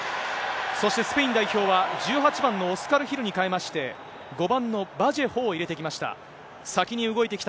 そしてスペイン代表は、１８番のオスカル・ヒルに代えまして、５番のバジェホを入れてきました。